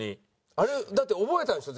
あれだって覚えたんでしょ？